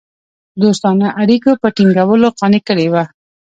دوستانه اړېکو په ټینګولو قانع کړي وه.